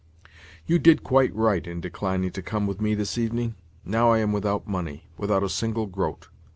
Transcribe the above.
You did quite right in declining to come with me this evening. Now I am without money—without a single groat.